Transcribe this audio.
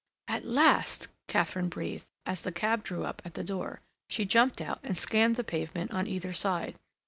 "At last," Katharine breathed, as the cab drew up at the door. She jumped out and scanned the pavement on either side.